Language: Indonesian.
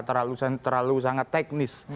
terlalu sangat teknis